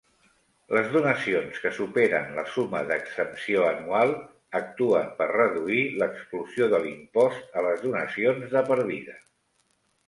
Les donacions que superen la suma d'exempció anual actuen per reduir l'exclusió de l'impost a les donacions de per vida.